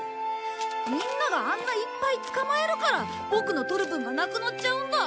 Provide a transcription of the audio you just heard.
みんながあんないっぱい捕まえるからボクの捕る分がなくなっちゃうんだ！